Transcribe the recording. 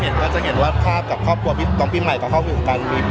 ก็จะเห็นว่าภาพกับครอบครัวพี่ต้องปีใหม่ตอนเข้าไปอยู่กัน